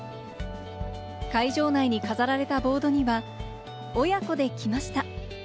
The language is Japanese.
会場内に飾られたボードには「親子で来ました！